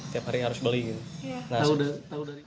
tiap hari harus beli